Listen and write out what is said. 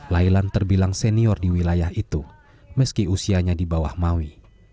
lailan terbilang senior di wilayah itu meski usianya di bawah maui